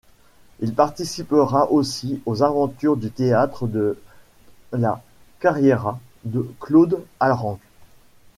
Il participera aussi aux aventures du Théâtre de la Carriera de Claude Alranc.